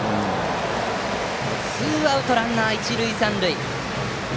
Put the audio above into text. ツーアウトランナー、一塁三塁。